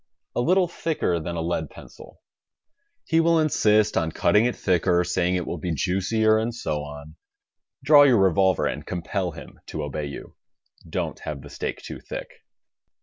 A little thicker than a lead pencil. He will insist on cutting it thicker, saying it will be juicier and so on. Draw your revolver and compel him to obey you. Don't have the steak too thick.